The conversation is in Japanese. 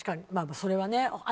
それはね